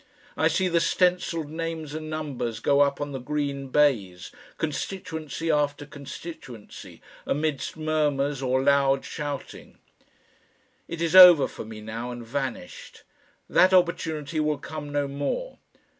I see the stencilled names and numbers go up on the green baize, constituency after constituency, amidst murmurs or loud shouting.... It is over for me now and vanished. That opportunity will come no more.